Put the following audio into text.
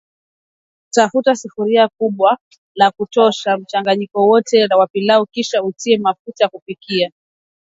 Tafuta sufuria kubwa la kutosha mchanganyiko wote wa pilau kisha utie mafuta ya kupikia